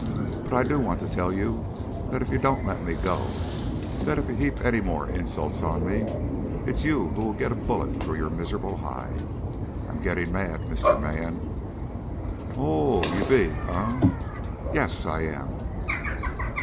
But I do want to tell you that if you don't let me go that if you heap any more insults on me it is you who will get a bullet through your miserable hide. I'm getting mad, Mr. Man." "Oho! Ye be, eh?" "Yes, I am."